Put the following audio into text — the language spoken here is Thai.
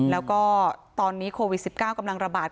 แล้วก็ตอนนี้โควิด๑๙กำลังระบาด